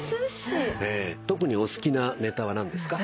特にお好きなネタは何ですか？